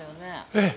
ええ。